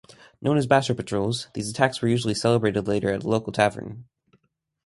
Known as "basher patrols," these attacks were usually celebrated later at a local tavern.